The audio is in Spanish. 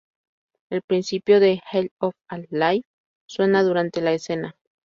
El principio de ""Hell of a Life" suena durante la escena.